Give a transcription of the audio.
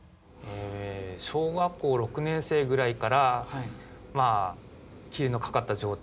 小学校６年生ぐらいからまあ霧のかかった状態でして。